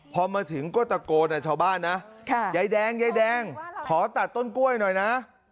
พอมาถึงก็ตะโกนชาวบ้านนะยายแดงยายแดงขอตัดต้นกล้วยหน่อยนะ